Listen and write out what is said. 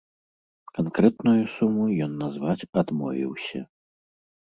Канкрэтную суму ён назваць адмовіўся.